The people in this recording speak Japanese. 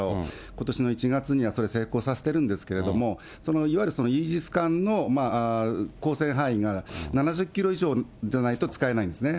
ことしの１月にはそれ、成功させてるんですけども、そのいわゆるイージス艦の抗戦範囲が７０キロ以上じゃないと使えないんですね。